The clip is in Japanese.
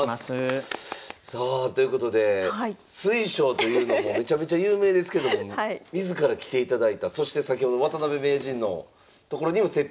さあということで水匠というのもめちゃめちゃ有名ですけども自ら来ていただいたそして先ほど渡辺名人の所にもセッティングされてた。